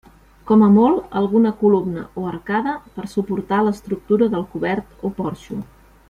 Com a molt alguna columna o arcada per suportar l'estructura del cobert o porxo.